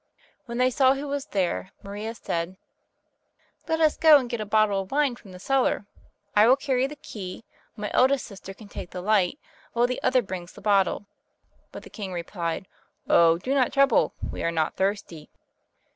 When they saw who was there, Maria said, "Let us go and get a bottle of wine from the cellar. I will carry the key, my eldest sister can take the light, while the other brings the bottle." But the king replied, "Oh, do not trouble; we are not thirsty."